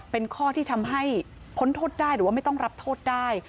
เป็นข้อที่ทำให้พ้นโทษได้หรือว่าไม่ต้องรับโทษได้